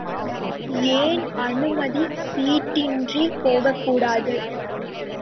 ஏன் அனுமதிச் சீட்டின்றிப் போகக்கூடாது?